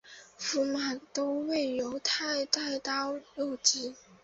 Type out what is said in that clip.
驸马都尉游泰带刀入直。